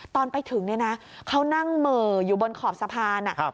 ตอนไปถึงเนี่ยนะเขานั่งเหม่ออยู่บนขอบสะพาน